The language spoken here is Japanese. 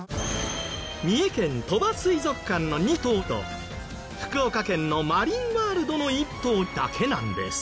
三重県鳥羽水族館の２頭と福岡県のマリンワールドの１頭だけなんです。